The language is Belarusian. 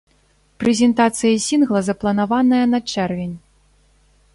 Прэзентацыя сінгла запланаваная на чэрвень.